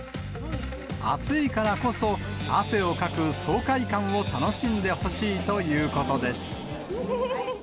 暑いからこそ汗をかく爽快感を楽しんでほしいということです。